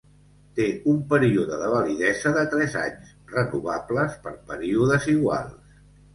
Té un període de validesa de tres anys, renovables per períodes iguals.